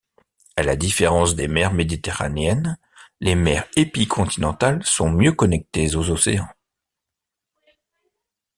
À la différence des mers méditerranéennes, les mers épicontinentales sont mieux connectées aux océans.